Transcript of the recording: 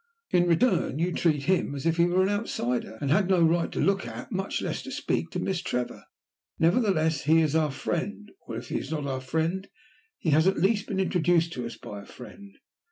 "In return you treat him as if he were an outsider, and had no right to look at, much less to speak to, Miss Trevor. Nevertheless he is our friend or if he is not our friend, he has at least been introduced to us by a friend.